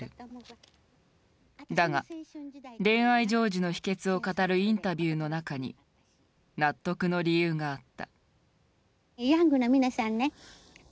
だが恋愛成就の秘けつを語るインタビューの中に納得の理由があった。